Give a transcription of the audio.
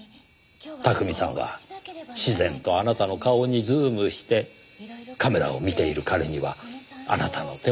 巧さんは自然とあなたの顔にズームしてカメラを見ている彼にはあなたの手元が見えなくなる。